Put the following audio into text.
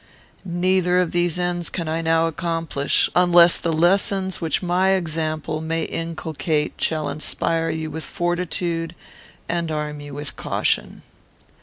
Neither of these ends can I now accomplish, unless the lessons which my example may inculcate shall inspire you with fortitude and arm you with caution.